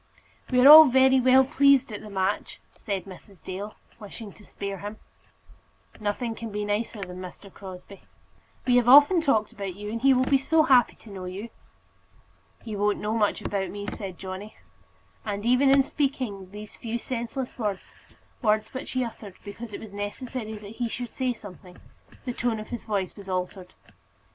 "We are all very well pleased at the match," said Mrs. Dale, wishing to spare him. "Nothing can be nicer than Mr. Crosbie," said Bell. "We have often talked about you, and he will be so happy to know you." "He won't know much about me," said Johnny; and even in speaking these few senseless words words which he uttered because it was necessary that he should say something the tone of his voice was altered.